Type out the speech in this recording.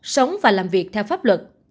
sống và làm việc theo pháp luật